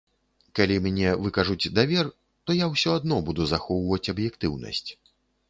Калі мне выкажуць давер, то я ўсё адно буду захоўваць аб'ектыўнасць.